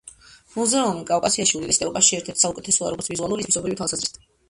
მუზეუმი კავკასიაში უდიდესი და ევროპაში ერთ-ერთი საუკეთესოა, როგორც ვიზუალური, ისე თვისობრივი თვალსაზრისით.